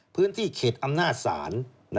พื้นที่เขตอำนาจศาล